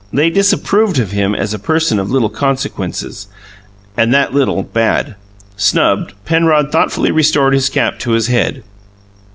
They disapproved of him as a person of little consequence, and that little, bad. Snubbed, Penrod thoughtfully restored his cap to his head.